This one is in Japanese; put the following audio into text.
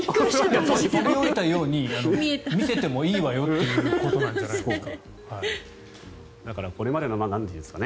飛び降りたように見せてもいいということなんじゃないですか。